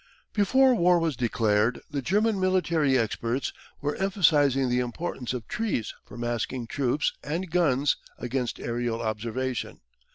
Before war was declared the German military experts were emphasising the importance of trees for masking troops and guns against aerial observation.